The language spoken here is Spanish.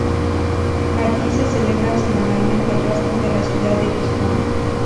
Allí se celebra semanalmente el rastro de la ciudad de Gijón.